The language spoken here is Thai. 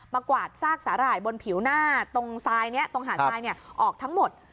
มากวาดซากสาหร่ายบนผิวหน้าตรงซายเนี่ยตรงหาดซายเนี่ยออกทั้งหมด